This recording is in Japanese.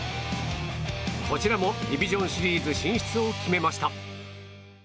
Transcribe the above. こちらもディビジョンシリーズ進出を決めました。